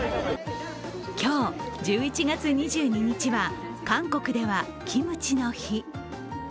今日１１月２２日は韓国ではキムチの日。